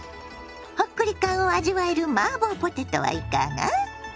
ほっくり感を味わえるマーボーポテトはいかが。